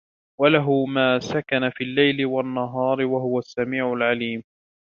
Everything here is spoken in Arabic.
وَلَهُ مَا سَكَنَ فِي اللَّيْلِ وَالنَّهَارِ وَهُوَ السَّمِيعُ الْعَلِيمُ